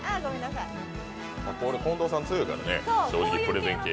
近藤さん強いからね、プレゼン系。